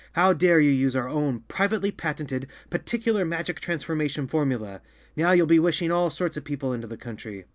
"How dare you use our own privately patented, particular, magic transformation formula? Now you'll be wishing all sorts of people into the country!"